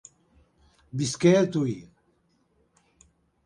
Visqué a Tuïr.